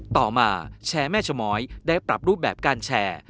ต่อมาแชร์แม่ชะม้อยได้ปรับรูปแบบการแชร์